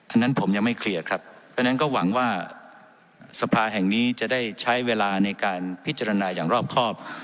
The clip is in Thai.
อันนั้นผมยังไม่เคลียร์ครับเพราะฉะนั้นก็หวังว่าสภาแห่งนี้จะได้ใช้เวลาในการพิจารณาอย่างรอบครอบ